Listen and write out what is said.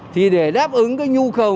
thì để đáp ứng cái nhu cầu